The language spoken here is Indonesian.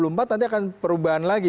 nanti akan perubahan lagi